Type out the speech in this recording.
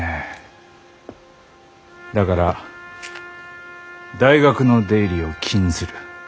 だから大学の出入りを禁ずる。